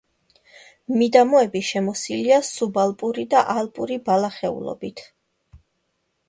მიდამოები შემოსილია სუბალპური და ალპური ბალახეულობით.